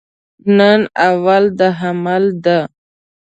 نن اول د حمل ده